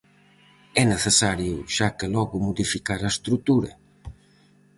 É necesario xa que logo modificar a estrutura?